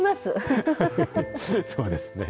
そうですね。